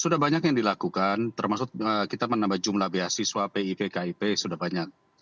ya sudah banyak yang dilakukan termasuk kita menambah jumlah beasiswa pikkip sudah banyak